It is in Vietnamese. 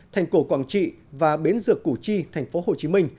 thành cổ quảng trị và bến dược củ chi tp hcm